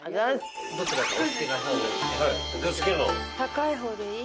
高い方でいい？